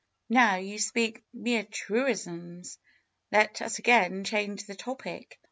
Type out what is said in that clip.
^^Now you speak mere truisms. Let us again change the topic.